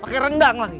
pakai rendang lagi